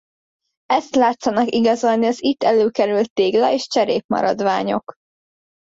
Ezt látszanak igazolni az itt előkerült tégla és cserépmaradványok.